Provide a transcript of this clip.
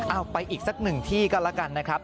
เอาไปอีกสักหนึ่งที่ก็แล้วกันนะครับ